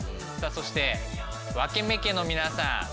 さあそして分目家の皆さん。